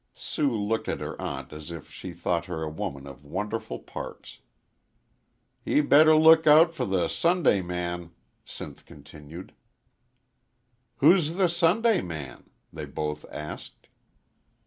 Sue looked at her aunt as if she thought her a woman of wonderful parts. "He better look out for the Sundayman," Sinth continued. "Who's the Sundayman?" they both asked.